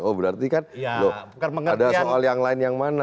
oh berarti kan ada soal yang lain yang mana